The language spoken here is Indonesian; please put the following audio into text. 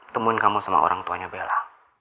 temuin kamu sama orang tuanya bella